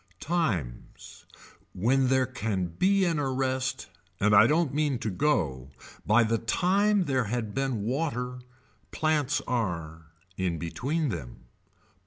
Times. When there can be an arrest and I don't mean to go, by the time there had been water, plants are, in between them.